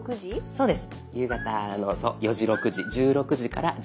そうです。